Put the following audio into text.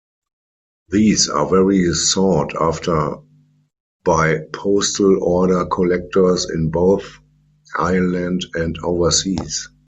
These are very sought after by postal order collectors in both Ireland and overseas.